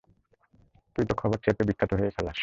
তুই তো খবর ছেঁপে বিখ্যাত হয়েই খালাস।